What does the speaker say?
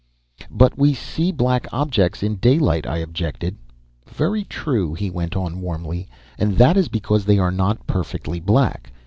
"But we see black objects in daylight," I objected. "Very true," he went on warmly. "And that is because they are not perfectly black.